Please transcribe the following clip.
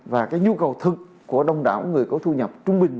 và cái nhu cầu thực của đông đảo người có thu nhập trung bình